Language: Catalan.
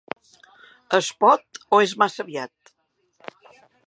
Es pot, o és massa aviat?